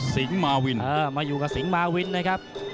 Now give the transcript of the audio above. มาวินมาอยู่กับสิงหมาวินนะครับ